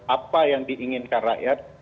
apa yang diinginkan rakyat